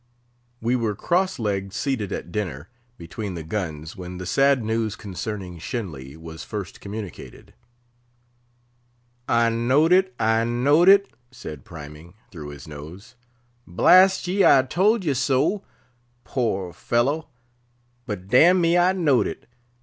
We were cross legged seated at dinner, between the guns, when the sad news concerning Shenly was first communicated. "I know'd it, I know'd it," said Priming, through his nose. "Blast ye, I told ye so; poor fellow! But dam'me, I know'd it.